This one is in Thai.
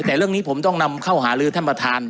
แต่เรื่องนี้ผมต้องนำเข้าหาลือท่านประธาน